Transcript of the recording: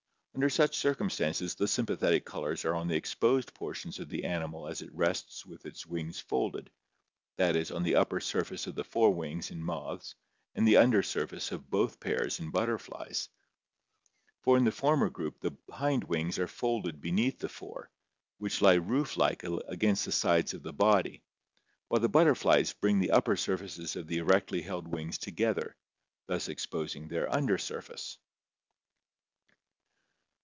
Under such circumstances the sympathetic colors are on the exposed portions of the animal as it rests with wings folded, that is, on the upper surface of the fore wings in moths and the under surface of both pairs in butterflies, for in the former group the hind wings are folded beneath the fore, which lie roof like against the sides of the body, while the butterflies bring the upper surfaces of the erectly held wings together, thus exposing their under surface.